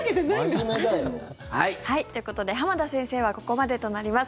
真面目だよ。ということで、浜田先生はここまでとなります。